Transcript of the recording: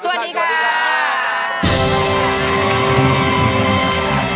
สวัสดีครับ